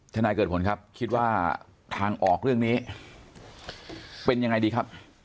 นายเกิดผลครับคิดว่าทางออกเรื่องนี้เป็นยังไงดีครับ